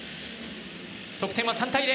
得点は３対０。